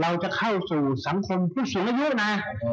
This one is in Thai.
เราจะเข้าสู่สังคมผู้สูงอายุนะ